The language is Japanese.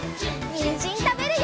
にんじんたべるよ！